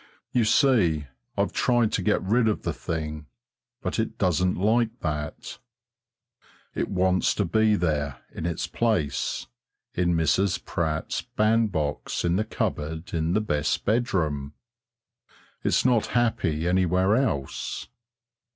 You see, I've tried to get rid of the thing, but it doesn't like that. It wants to be there in its place, in Mrs. Pratt's bandbox in the cupboard in the best bedroom. It's not happy anywhere else.